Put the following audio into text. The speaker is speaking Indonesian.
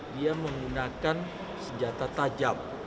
dia menggunakan senjata tajam